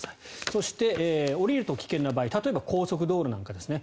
そして、降りると危険な場合例えば高速道路なんかですね